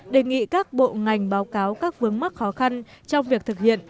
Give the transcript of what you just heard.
đề nghị các bộ ngành báo cáo các vướng mắc khó khăn trong việc thực hiện